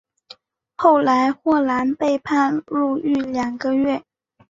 后来霍兰被判入狱两个月。